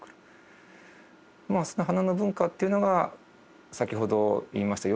その花の文化というのが先ほど言いました